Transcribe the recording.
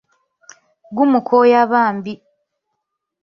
Gumukooya bambi!